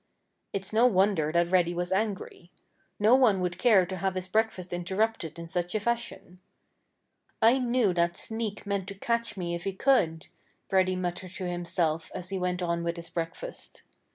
It's no wonder that Reddy was angry. No one would care to have his breakfast interrupted in such a fashion. "I knew that sneak meant to catch me if he could," Reddy muttered to himself as he went on with his breakfast.